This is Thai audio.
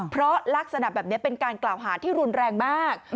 เพราะลักษณะแบบนี้เป็นการกล่าวหาที่รุนแรงมาก